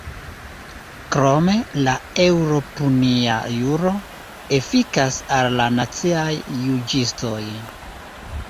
Krome, la eŭropunia juro efikas al la naciaj juĝistoj.